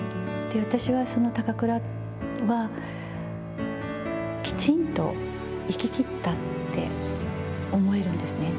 私はその高倉は、きちんと生き切ったって思えるんですね。